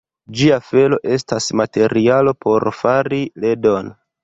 Ĝia felo estas materialo por fari ledon.